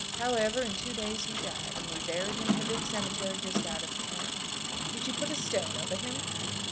However, in two days he died; and we buried him in the big cemetery just out of the town." "Did you put a stone over him?"